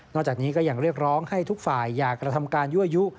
จากนี้ก็ยังเรียกร้องให้ทุกฝ่ายอย่ากระทำการยั่วยุ